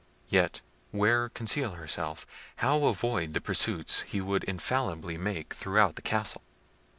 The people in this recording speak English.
Yet where conceal herself? How avoid the pursuit he would infallibly make throughout the castle?